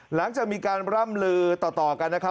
หลังจากมีการร่ำลือต่อกันนะครับ